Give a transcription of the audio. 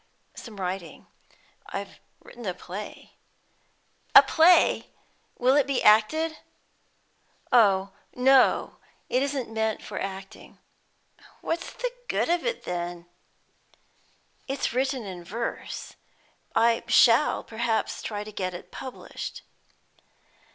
"Some writing. I've written a play." "A play? Will it be acted?" "Oh no, it isn't meant for acting." "What's the good of it then?" "It's written in verse. I shall perhaps try to get it published."